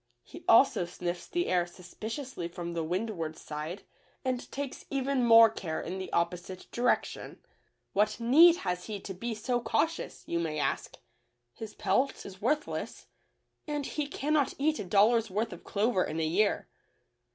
He also sniffs the air suspiciously from the windward side, and takes even more care in the opposite direction. What need has he to be so cautious, you may ask. His pelt is worthless, and he cannot eat a dollar's worth of clover in a year.